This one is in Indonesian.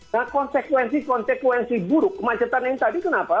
nah konsekuensi konsekuensi buruk kemacetan yang tadi kenapa